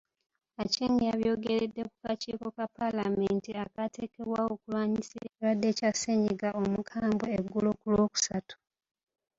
Aceng yabyogeredde mu kakiiko ka Paalamenti akaateekebwawo okulwanyisa ekirwadde kya ssenyiga omukambwe eggulo ku Lwokusatu.